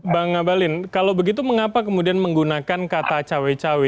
bang ngabalin kalau begitu mengapa kemudian menggunakan kata cawe cawe